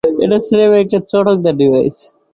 এটা স্রেফ একটা চটকদার ডিভাইস।